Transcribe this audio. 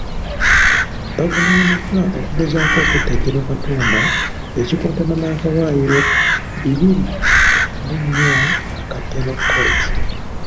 Bavunaaniddwa okugezaako okutta General Katumba ekikontana n'akawaayiro bibiri mu nnya aka Penal Code.